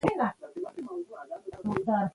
زه مڼې خورم